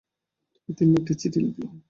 তবে তিন্নি একটি চিঠি লিখলা।